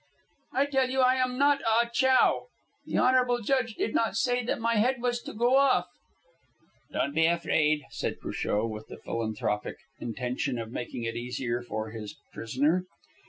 "I tell you I am not Ah Chow. The honourable judge did not say that my head was to go off." "Don't be afraid," said Cruchot, with the philanthropic intention of making it easier for his prisoner.